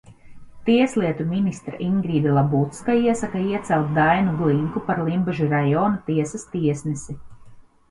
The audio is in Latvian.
Tieslietu ministre Ingrīda Labucka iesaka iecelt Dainu Glinku par Limbažu rajona tiesas tiesnesi.